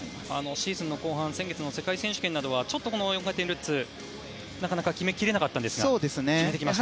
シーズンの後半先月の世界選手権ではちょっと４回転ルッツなかなか決めきれなかったんですが決めてきましたね。